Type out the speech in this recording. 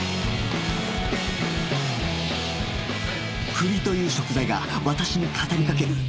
栗という食材が私に語りかける